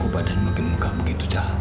badan mungkin muka begitu jahat